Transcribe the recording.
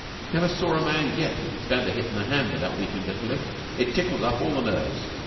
'Never saw a man yet who could stand a hit in the hand without weepin' bitterly. It tickles up all the nerves.